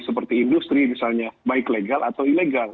seperti industri misalnya baik legal atau ilegal